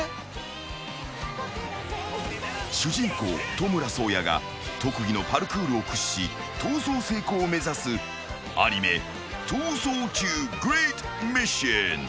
トムラ颯也が特技のパルクールを駆使し逃走成功を目指すアニメ『逃走中グレートミッション』］